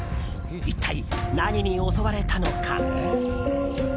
一体、何に襲われたのか？